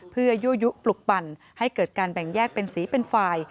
เพื่อยั่วยุปลุกปั่นให้เกิดการแบ่งแยกเป็นสีเป็นฝ่าย